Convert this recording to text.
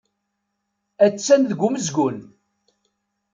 Attan deg umezgun.